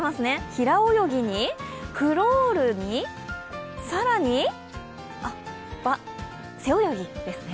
平泳ぎにクロールに、更に、背泳ぎですね。